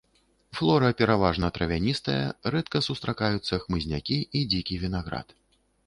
Флора пераважна травяністая, рэдка сустракаюцца хмызнякі і дзікі вінаград.